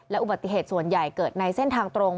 อุบัติเหตุส่วนใหญ่เกิดในเส้นทางตรง